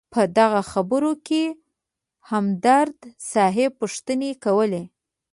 په دغه خبرو کې همدرد صیب پوښتنې کولې.